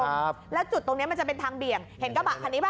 ครับแล้วจุดตรงเนี้ยมันจะเป็นทางเบี่ยงเห็นกระบะคันนี้ป่